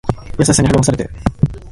優しさに励まされて